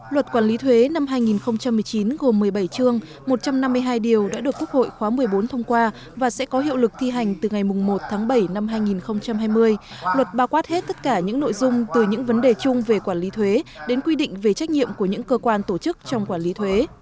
luật quản lý thuế năm hai nghìn một mươi chín gồm một mươi bảy chương một trăm năm mươi hai điều đã được quốc hội khóa một mươi bốn thông qua và sẽ có hiệu lực thi hành từ ngày một tháng bảy năm hai nghìn hai mươi luật bao quát hết tất cả những nội dung từ những vấn đề chung về quản lý thuế đến quy định về trách nhiệm của những cơ quan tổ chức trong quản lý thuế